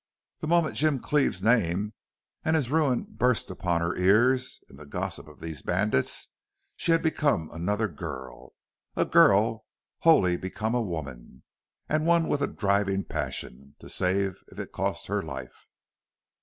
The moment Jim Cleve's name and his ruin burst upon her ears, in the gossip of these bandits, she had become another girl a girl wholly become a woman, and one with a driving passion to save if it cost her life.